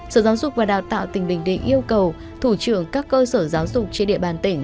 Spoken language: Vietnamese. sở giáo dục và đào tạo tỉnh bình định yêu cầu thủ trưởng các cơ sở giáo dục trên địa bàn tỉnh